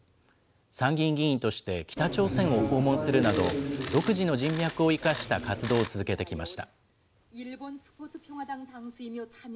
参議院議員として北朝鮮を訪問するなど、独自の人脈を生かした活動を続けてきました。